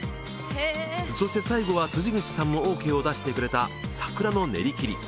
そして最後は辻口さんもＯＫを出してくれた桜の練り切り。